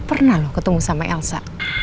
pernah loh ketemu sama elsa